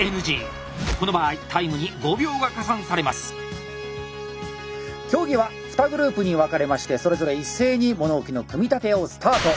この場合競技は２グループに分かれましてそれぞれ一斉に物置の組み立てをスタート。